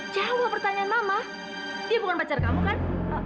jawab pertanyaan mama dia bukan pacar kamu kan